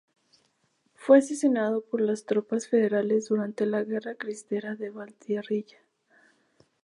Fue asesinado por las tropas federales durante la Guerra Cristera en Valtierrilla Gto.